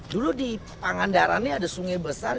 dulu di pangandaranya ada sungai besar